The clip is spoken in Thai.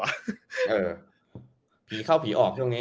เออผีเข้าผีออกช่วงนี้